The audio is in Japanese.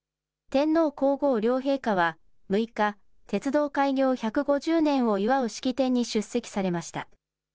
天皇皇后両陛下は６日、鉄道開業１５０年を祝う式典に出席されました。